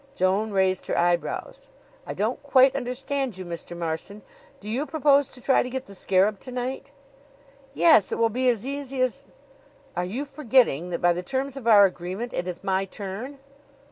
Joan raised her eyebrows. "I don't quite understand you, Mr. Marson. Do you propose to try to get the scarab to night?" "Yes. It will be as easy as " "Are you forgetting that, by the terms of our agreement, it is my turn?"